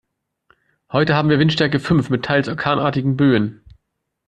Heute haben wir Windstärke fünf mit teils orkanartigen Böen.